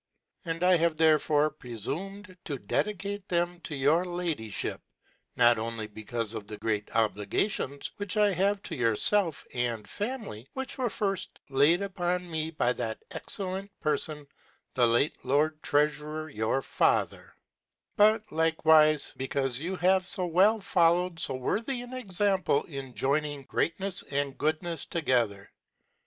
And I have therefore prefumed to dedicate them to Your The EpijHe Dedicatory, Your Ladijhip, not only becaufe of the great Obligations which I have to Your Self and Tamilj, which were firft laid upon me, by that Excellent Perfon, the late Lord Treafarer, Your Father j but likewife becaufe You have fo well followed fo worthy an Example in joyning Guatnefs and Goodnefs together.